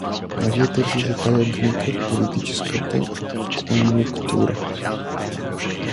А вие търсите тая гънка в политическата конюнктура!